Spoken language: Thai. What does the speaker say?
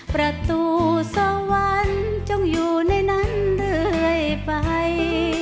ประตูสวรรค์จงอยู่ในนั้นเรื่อยไป